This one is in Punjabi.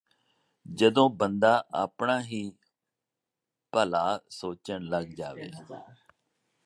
ਜਦੋਂ ਬੰਦਾ ਆਪਣਾ ਹੀ ਭਲਾਂ ਸੋਚਣ ਲੱਗ ਜਾਵੇ